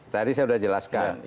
tadi saya sudah jelaskan